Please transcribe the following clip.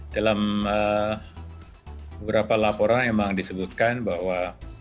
dalam beberapa laporan emang disebutkan bahwa